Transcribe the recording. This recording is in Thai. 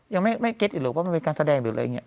ยังไม่เก็ตอีกหรอกว่ามันเป็นการแสดงหรืออะไรอย่างนี้